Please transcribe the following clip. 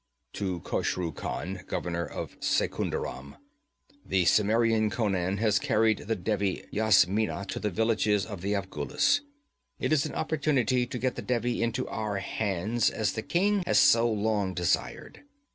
'To Khosru Khan, governor of Secunderam: the Cimmerian Conan has carried the Devi Yasmina to the villages of the Afghulis. It is an opportunity to get the Devi into our hands, as the king has so long desired.